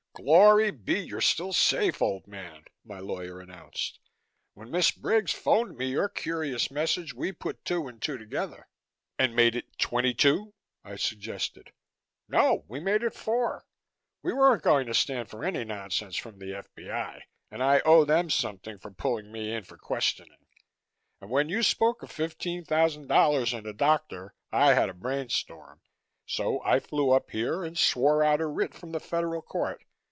"Glory be, you're still safe, old man," my lawyer announced. "When Miss Briggs phoned me your curious message, we put two and two together." "And made it twenty two?" I suggested. "No, we made it four. We weren't going to stand for any nonsense from the F.B.I. and I owe them something for pulling me in for questioning. And when you spoke of fifteen thousand dollars and a doctor, I had a brain storm. So I flew up here and swore out a writ from the Federal Court.